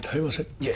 いえ